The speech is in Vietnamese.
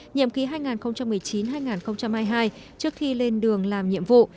nhiệm ký hai nghìn một mươi chín hai nghìn hai mươi hai trước khi lên đường làm nhiệm vụ